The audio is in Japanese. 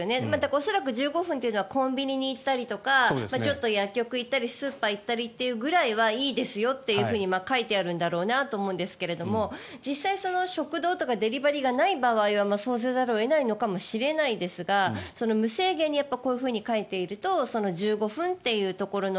恐らく１５分ということはコンビニに行ったりとかちょっと薬局行ったりスーパー行ったりというぐらいはいいですよと書いてあるんだろうなと思いますが実際に食堂やデリバリーがない場合は、そうせざるを得ないのかもしれませんが無制限にこういうふうに書いてあると１５分というところの。